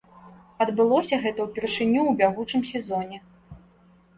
Адбылося гэта ўпершыню ў бягучым сезоне.